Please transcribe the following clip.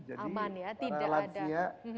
jadi pada lansia